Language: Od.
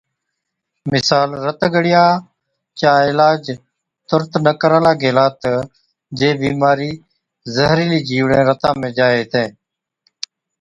مثال، رت ڳڙِيان چا علاج تُرت نہ ڪرالا گيلا تہ جي بِيمارِي زهرِيلي جِيوڙين رتا ۾ جائي هِتين